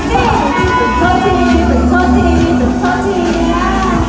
โทษทีโทษทีโทษทีกัน